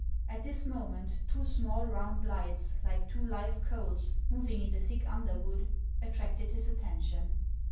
At this moment two small round lights, like two live coals, moving in the thick underwood, attracted his attention.